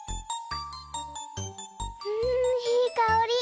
うんいいかおり！